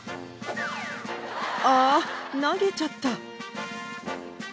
あ投げちゃった。